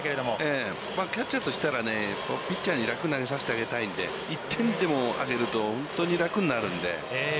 キャッチャーとしたらピッチャーに楽に投げさせてあげたいので、１点でも挙げると本当に楽になるので。